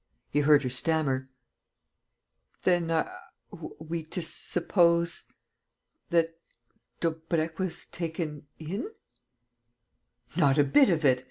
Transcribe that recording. He heard her stammer: "Then are we to suppose ... that Daubrecq was taken in?" "Not a bit of it!"